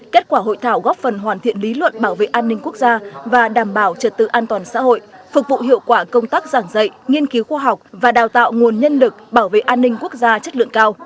kết quả hội thảo góp phần hoàn thiện lý luận bảo vệ an ninh quốc gia và đảm bảo trật tự an toàn xã hội phục vụ hiệu quả công tác giảng dạy nghiên cứu khoa học và đào tạo nguồn nhân lực bảo vệ an ninh quốc gia chất lượng cao